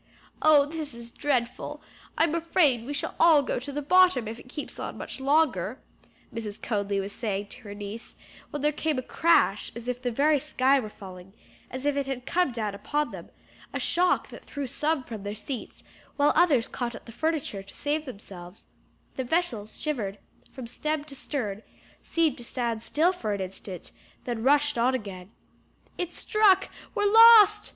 "Oh, this is dreadful! I'm afraid we shall all go to the bottom, if it keeps on much longer," Mrs. Conly was saying to her niece, when there came a crash as if the very sky were falling; as if it had come down upon them; a shock that threw some from their seats, while others caught at the furniture to save themselves; the vessel shivered from stem to stern, seemed to stand still for an instant, then rushed on again. "It struck! we're lost!"